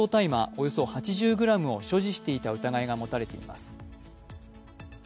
およそ８０ｇを所持していた疑いが持たれています。